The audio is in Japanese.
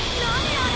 あれ！